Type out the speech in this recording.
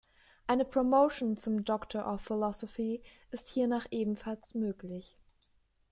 Eine Promotion zum Doctor of Philosophy ist hiernach ebenfalls möglich.